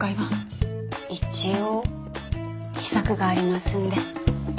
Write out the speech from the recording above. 一応秘策がありますんで。